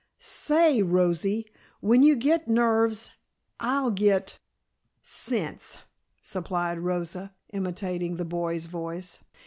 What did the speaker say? "Say, Rosie, when you get nerves I'll get " "Sense," supplied Rosa, imitating the boy's voice.